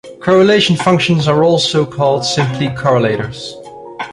Correlation functions are also called simply correlators.